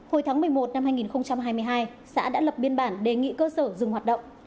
hồi tháng một mươi một năm hai nghìn hai mươi hai xã đã lập biên bản đề nghị cơ sở dừng hoạt động